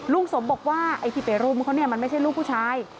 ลุงสมบอกว่าไอ้ที่ไปรุมเขาเนี่ยมันไม่ใช่ลูกผู้ชาย